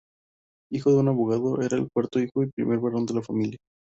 Hijo de un abogado, era el cuarto hijo y primer varón de la familia.